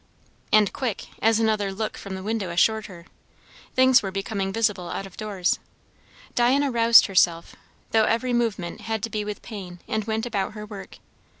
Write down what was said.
And quick, as another look from the window assured her. Things were becoming visible out of doors. Diana roused herself, though every movement had to be with pain, and went about her work.